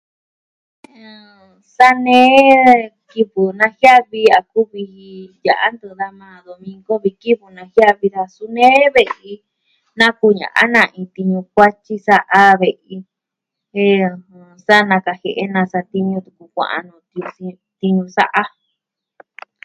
Sa nee kivɨ najiavi a kuvi kivɨ ya'a ntɨɨn daa maa domingo vi kivɨ najiavi suu nee ve'i nakune'ya na iin tiñu kuatyi sa'a ve'i. Jen sa nakajie'e na satiñu kua'an nuu tiñu sa'a.